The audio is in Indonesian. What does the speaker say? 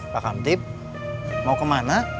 pak kamtib mau kemana